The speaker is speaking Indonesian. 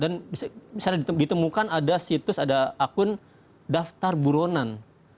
dan misalnya ditemukan ada situs ada akun daftar buronan